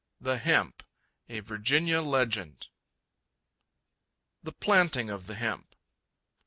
The Hemp (A Virginia Legend.) The Planting of the Hemp.